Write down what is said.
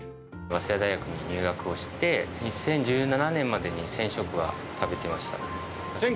早稲田大学に入学をして、２０１７年までに１０００食は食べてました。